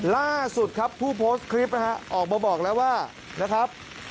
ล่าสุดครับผู้โพสต์คลิปนะฮะออกมาบอกแล้วว่านะครับ